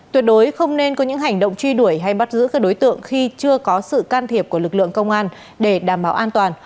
tuyệt đối không nên có những hành động truy đuổi hay bắt giữ các đối tượng khi chưa có sự can thiệp của lực lượng công an để đảm bảo an toàn